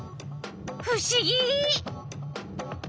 ふしぎ！